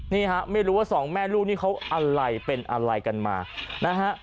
นี่ฮะไม่รู้ว่าสองแม่ลูกนี่เขาอะไรเป็นอะไรกันมานะฮะ